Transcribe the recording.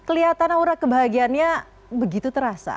kelihatan aura kebahagiaannya begitu terasa